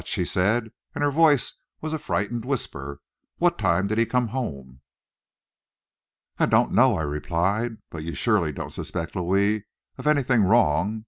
she said, and her voice was a frightened whisper. "What time did he come home?" "I don't know," I replied; "but you surely don't suspect Louis of anything wrong.